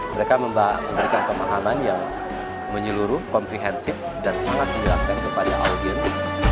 mereka memberikan pemahaman yang menyeluruh komprehensif dan sangat menjelaskan kepada audiens